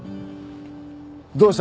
どうした？